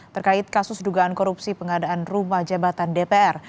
terkait kasus dugaan korupsi pengadaan rumah jabatan dpr